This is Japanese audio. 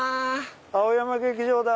青山劇場だ。